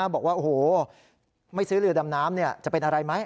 บอกว่าโอ้โหไม่ซื้อเรือดำน้ำจะเป็นอะไรไหม